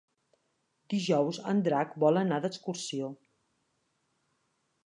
Dijous en Drac vol anar d'excursió.